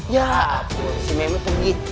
ya si meme pergi